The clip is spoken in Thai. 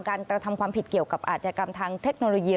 กระทำความผิดเกี่ยวกับอาชญากรรมทางเทคโนโลยี